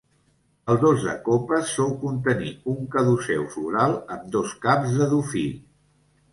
El dos de copes sol contenir un caduceu floral amb dos caps de dofí.